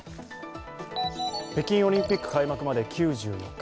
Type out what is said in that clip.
北京オリンピック開幕まで９４日。